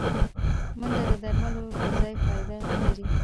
منډه د درملو پر ځای فایده لري